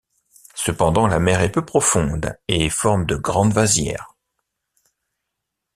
Cependant, la mer est peu profonde et forme de grandes vasières.